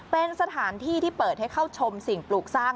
เป็นสถานที่ที่เปิดให้เข้าชมสิ่งปลูกสร้าง